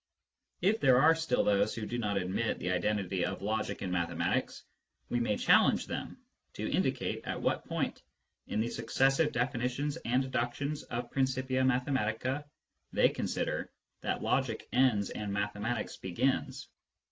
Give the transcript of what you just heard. If there are still those who do not admit the identity of logic and mathematics, we may challenge them to indicate at what point, in the successive definitions and 194 Mathematics and Logic 195 deductions of Principia Mathematica, they consider that logic ends and mathematics begins.